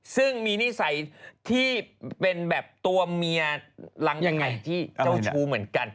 ซึ่งมีนิสัยที่เป็นแบบตัวเมียรังใหญ่ที่เจ้าชู้เหมือนกัน